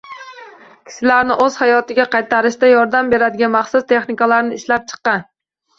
Kishilarni o‘z hayotiga qaytarishda yordam beradigan maxsus texnikalarni ishlab chiqqan